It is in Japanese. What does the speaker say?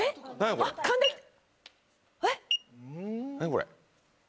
これ。